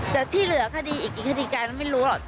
แต่ที่เหลือคดีอีกคดีการไม่รู้หรอก